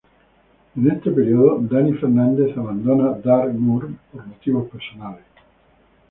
En este período Dani Fernández abandona Dark moor por motivos personales.